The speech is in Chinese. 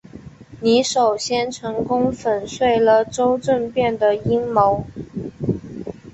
你首先成功粉碎了周政变的阴谋。